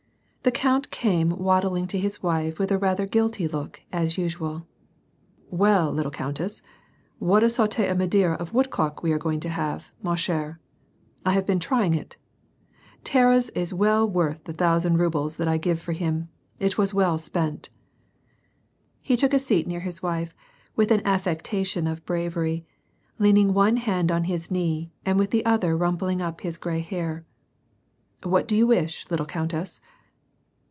The count came waddling to his wife with a rather guilty look, as usual. " Well, little countess,* what a saute au madere of woodcock we are going to have, ma chh^ef I have been trying it. Taras is well worth the thousand rubles that I give for hiui. It was well spent." He took a seat near his wife, with an affectation of bravery, leaning one hand on his knee and with the other rumpling up his gray hair :" What do you wish, little countess